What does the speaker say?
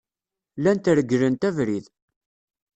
Llant reglent abrid.